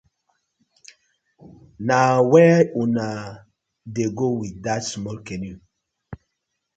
Na where uno dey go wit dat small canoe?